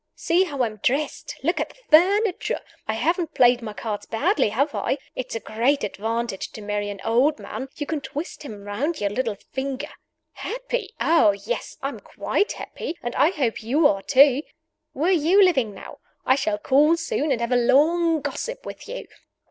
See how I'm dressed; look at the furniture: I haven't played my cards badly, have I? It's a great advantage to marry an old man you can twist him round your little finger. Happy? Oh, yes! I'm quite happy; and I hope you are, too. Where are you living now? I shall call soon, and have a long gossip with you.